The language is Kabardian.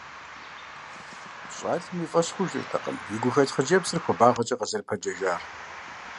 Щӏалэм и фӀэщ хъужыртэкъым и гухэлъым хъыджэбзыр хуабагъэкӀэ къызэрыпэджэжар.